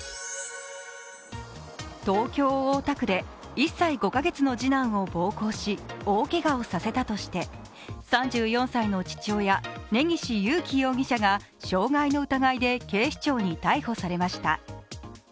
東京・大田区で１歳５カ月の次男を暴行し、大けがをさせたとして３４歳の父親、根岸優貴容疑者が傷害の疑いで警視庁に逮捕されました。